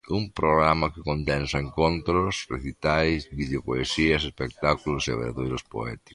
Un programa que condensa encontros, recitais, videopoesías, espectáculos e obradoiros poéticos.